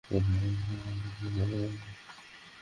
নড়ছে না কেন?